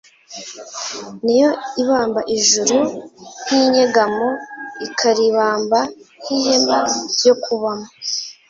Niyo ibamba ijuru nk’inyegamo, ikaribamba nk’ihema ryo kubamo.